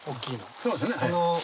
そうですね。